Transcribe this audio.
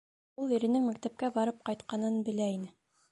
Ул иренең мәктәпкә барып ҡайтҡанын белә ине.